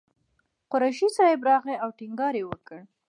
قریشي صاحب راغی او ټینګار یې وکړ.